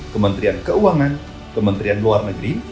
kementerian keuangan kementerian luar negeri